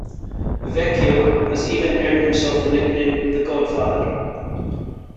Vecchio has even earned himself the nickname "the Godfather".